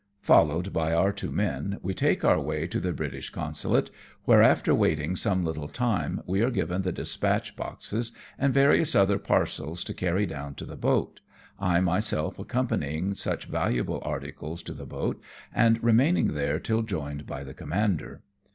'' Followed by our two men, we take our way to the British consulate, where, after waiting some little time, we are given the dispatch box6s, and various other parcels to carry down to the boat, I myself accompany ing such valuable articles to the boat, and remaining there till joined by the commander.